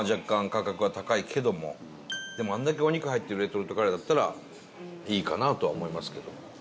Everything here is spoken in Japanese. でもあれだけお肉入ってるレトルトカレーだったらいいかなとは思いますけども。